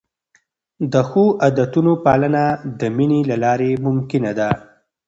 د ښو عادتونو پالنه د مینې له لارې ممکنه ده.